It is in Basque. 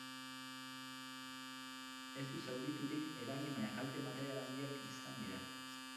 Ez du zauriturik eragin baina kalte material handiak izan dira.